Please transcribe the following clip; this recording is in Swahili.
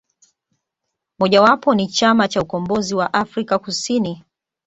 Moja wapo ni Chama cha ukombozi wa afrika Kusini